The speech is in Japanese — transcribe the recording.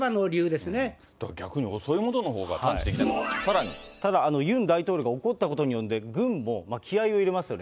逆に遅いほうが探知できなくただ、ユン大統領が怒ったことによって、軍も気合いを入れますよね。